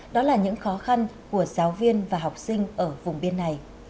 đó là những khó khăn của giáo viên và học sinh ở vùng biên này